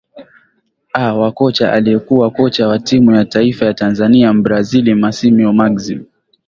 aa wa kocha aliyekua kocha wa timu ya taifa ya tanzania mbrazil masio maximo